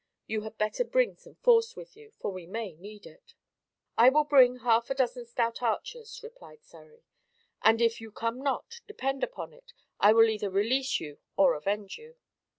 You had better bring some force with you, for we may need it." "I will bring half a dozen stout archers," replied Surrey "and if you come not, depend upon it, I will either release you or avenge you."